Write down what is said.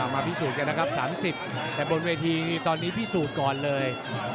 พิสูจน์กันนะครับ๓๐แต่บนเวทีตอนนี้พิสูจน์ก่อนเลย